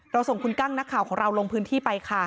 ส่งคุณกั้งนักข่าวของเราลงพื้นที่ไปค่ะ